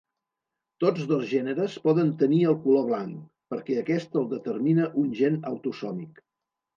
Tots dos gèneres poden tenir el color blanc, perquè aquest el determina un gen autosòmic.